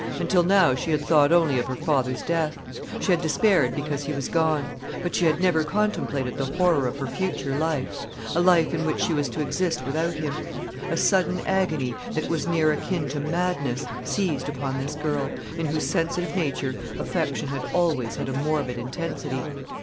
Until now she had thought only of her father's death. She had despaired because he was gone; but she had never contemplated the horror of her future life, a life in which she was to exist without him. A sudden agony, that was near akin to madness, seized upon this girl, in whose sensitive nature affection had always had a morbid intensity.